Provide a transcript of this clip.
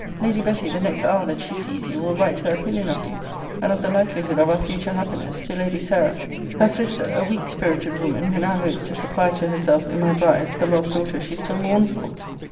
Lady Betty, the next hour that she sees you, will write her opinion of you, and of the likelihood of our future happiness, to Lady Sarah her sister, a weak spirited woman, who now hopes to supply to herself, in my bride, the lost daughter she still mourns for!